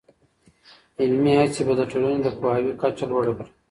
علمي هڅې به د ټولني د پوهاوي کچه لوړه کړي.